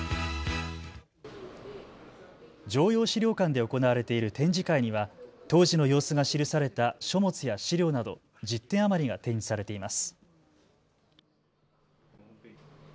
常陽史料館で行われている展示会には当時の様子が記された書物や資料など１０点余りが展示されています。